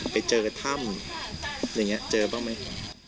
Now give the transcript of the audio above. ไปเจอถ้ำอย่างเงี้ยเจอเปล่าไหม